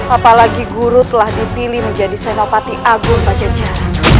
apalagi guru telah dipilih menjadi senopati agung pajajar